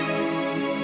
yang berada di